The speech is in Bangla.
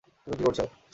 তুমি কী করছ?